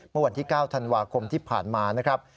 เมื่อวันที่๙ธันวาคมที่ผ่านมานะครับ